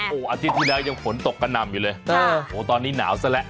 อาทิตย์ที่นี่ฝนตกกะน่ำอยู่เลยตอนนี้หนาวแสละ